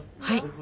はい。